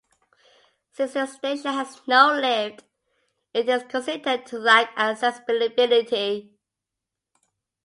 Since the station has no lift, it is considered to lack accessibility.